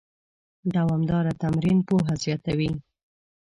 دوامداره تمرین پوهه زیاتوي.